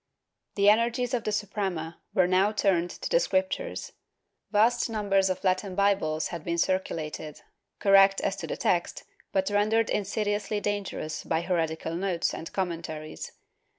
^ The energies of the Suprema were now turned to the Scriptures. Vast numbers of Latin Bibles had been circulated, correct as to the text, but rendered insidiously dangerous by heretical notes and commentaries.